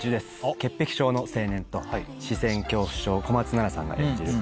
潔癖症の青年と視線恐怖症小松菜奈さんが演じる